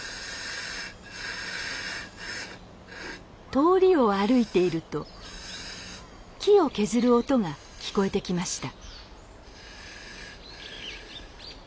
通りを歩いていると木を削る音が聞こえてきました。